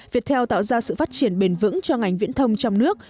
viettel tạo ra sự phát triển bền vững cho ngành viễn thông trong nước